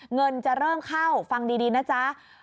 เงินจะเริ่มเข้าฟังดีนะจ๊ะ